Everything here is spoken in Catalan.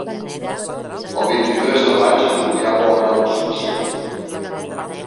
El vint-i-tres de maig en Julià vol anar d'excursió.